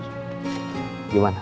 selamat pagi mas rendy